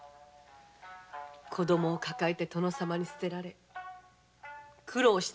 子供を抱えて殿様に捨てられ苦労したお陰でございますよ。